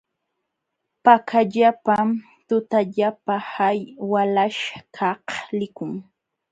Pakallapam tutallapa hay walaśhkaq likun.